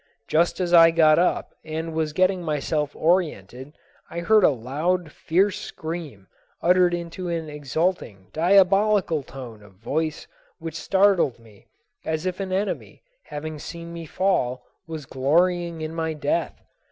Just as I got up and was getting myself orientated, I heard a loud fierce scream, uttered in an exulting, diabolical tone of voice which startled me, as if an enemy, having seen me fall, was glorying in my death.